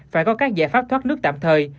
phải có các giải pháp thoát nước tạm thời